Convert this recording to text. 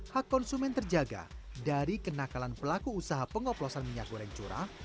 hak konsumen terjaga dari kenakalan pelaku usaha pengoplosan minyak goreng curah